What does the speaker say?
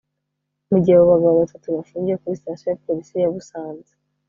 Mu gihe abo bagabo batatu bafungiye kuri Sitasiyo ya Polisi ya Busanze